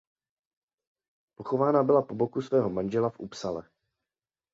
Pochována byla po boku svého manžela v Uppsale.